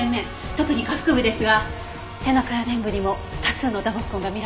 特に下腹部ですが背中や臀部にも多数の打撲痕が見られます。